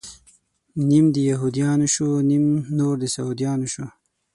نيم د يهود يانو شو، نيم نور د سعوديانو شو